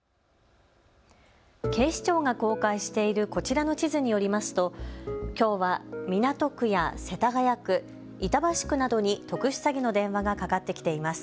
警視庁が公開しているこちらの地図によりますときょうは港区や世田谷区、板橋区などに特殊詐欺の電話がかかってきています。